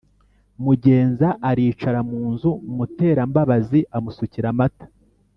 Mugenza aricara munzu muterambabazi amusukira amata